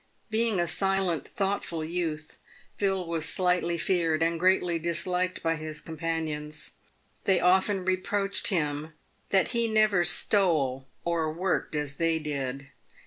Being a silent, thoughtful youth, Phil was slightly feared and greatly disliked by his companions. They often reproached him that he never stole or worked as they did.